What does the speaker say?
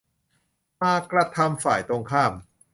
มากระทำฝ่ายตรงข้าม